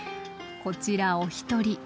こちらお一人。